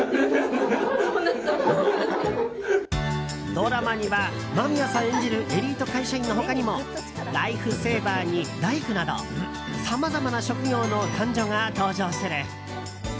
ドラマには間宮さん演じるエリート会社員の他にもライフセーバーに大工などさまざまな職業の男女が登場する。